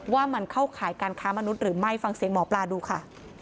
ว่ามันเข้าข่ายการค้ามนุษย์หรือไม่ฟังเสียงหมอปลาดูค่ะ